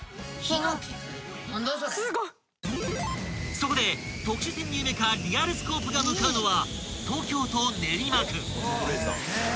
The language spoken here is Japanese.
［そこで特殊潜入メカリアルスコープが向かうのは］